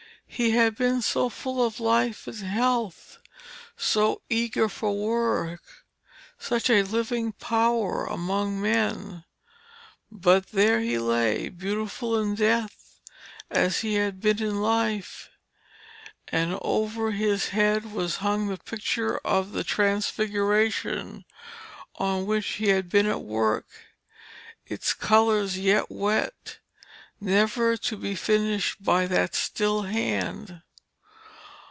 He had been so full of life and health, so eager for work, such a living power among men. But there he lay, beautiful in death as he had been in life, and over his head was hung the picture of the 'Transfiguration,' on which he had been at work, its colours yet wet, never to be finished by that still hand.